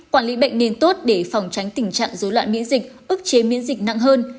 quản lý bệnh nền tốt để phòng tránh tình trạng dối loạn miễn dịch ức chế biến dịch nặng hơn